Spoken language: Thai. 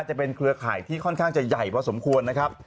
เครือข่ายที่ค่อนข้างจะใหญ่พอสมควรนะครับ